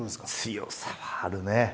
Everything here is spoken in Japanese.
強さはあるね。